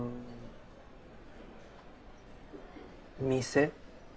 店？